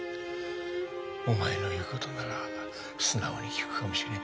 お前の言う事なら素直に聞くかもしれん。